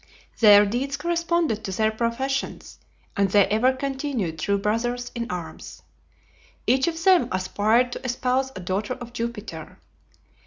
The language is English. Their deeds corresponded to their professions, and they ever continued true brothers in arms. Each of them aspired to espouse a daughter of Jupiter.